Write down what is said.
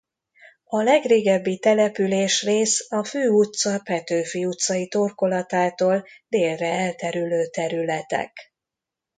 A legrégebbi településrész a Fő utca Petőfi utcai torkolatától délre elterülő területek.